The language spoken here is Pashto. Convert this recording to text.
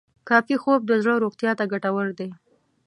کافي خوب د زړه روغتیا ته ګټور دی.